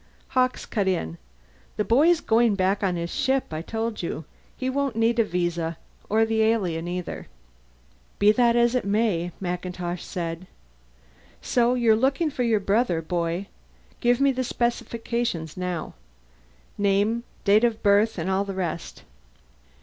Hawkes cut in: "The boy's going back on his ship, I told you. He won't need a visa, or the alien either." "Be that as it may," MacIntosh said. "So you're looking for your brother, boy? Give me the specifications, now. Name, date of birth, and all the rest."